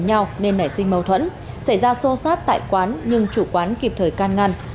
nhau nên nảy sinh mâu thuẫn xảy ra xô xát tại quán nhưng chủ quán kịp thời can ngăn